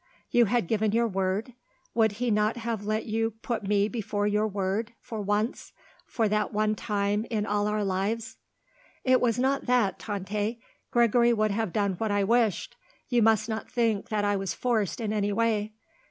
"You had given your word? Would he not have let you put me before your word? For once? For that one time in all our lives?" "It was not that, Tante. Gregory would have done what I wished. You must not think that I was forced in any way."